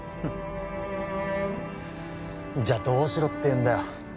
じゃあどうしろっていうんだよ